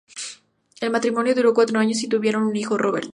El matrimonio duró cuatro años y tuvieron un hijo, Robert.